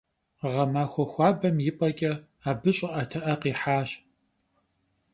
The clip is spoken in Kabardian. Ğemaxue xuabem yi p'eç'e abı ş'ı'etı'e khihaş.